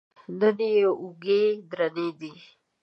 نن یې اوږې درنې دي.